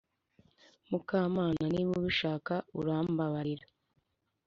mukamana niba ubishaka urambabarira